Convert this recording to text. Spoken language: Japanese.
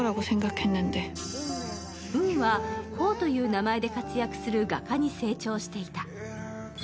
ウンはコオという名前で活躍する画家に成長していた。